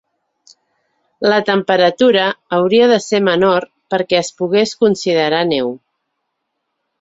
La temperatura hauria de ser menor perquè es pogués considerar neu.